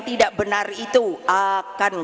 tidak benar itu akan